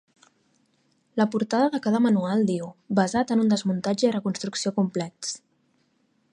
La portada de cada manual diu: "basat en un desmuntatge i reconstrucció complets".